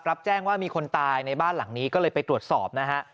รับแจ้งว่ามีคนตายในบ้านหลังนี้ก็เลยไปตรวจสอบนะฮะ